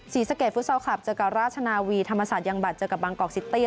ศรีสะเกดฟุตซอลคลับเจอกับราชนาวีธรรมศาสตร์ยังบัตรเจอกับบางกอกซิตี้